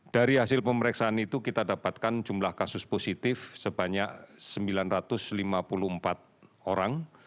dari hasil pemeriksaan itu kita dapatkan jumlah kasus positif sebanyak sembilan ratus lima puluh empat orang